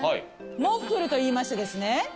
モッフルといいましてですね。